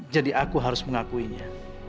jadi aku harus mengakuinya